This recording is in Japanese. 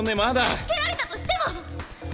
助けられたとしても！